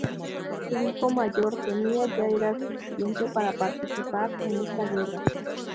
Su hijo mayor tenía ya edad suficiente para participar en esta guerra.